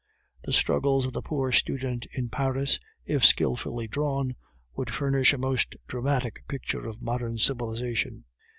The struggles of the poor student in Paris, if skilfully drawn, would furnish a most dramatic picture of modern civilization.